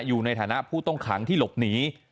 อยู่ในฐานะผู้ต้องขังที่หลบหนี